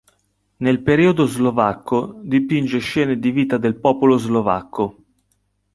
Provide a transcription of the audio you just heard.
Nel periodo slovacco dipinge scene di vita del popolo slovacco.